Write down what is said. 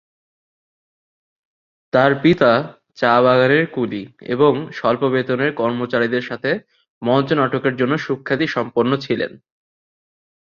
তার পিতা চা বাগানের কুলি এবং স্বল্প বেতনের কর্মচারীদের সাথে মঞ্চ নাটকের জন্য সুখ্যাতি সম্পন্ন ছিলেন।